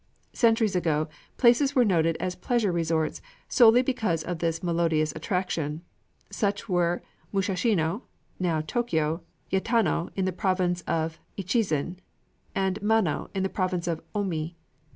Centuries ago places were noted as pleasure resorts solely because of this melodious attraction; such were Musashino (now Tōkyō), Yatano in the province of Echizen, and Mano in the province of Ōmi.